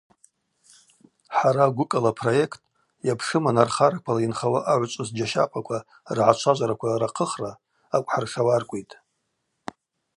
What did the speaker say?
Хӏара Гәыкала проект – йапшым анархараквала йынхауа агӏвычӏвгӏвыс джьащахъваква ргӏачважвараква рахъыхра – акӏвхӏыршауаркӏвитӏ.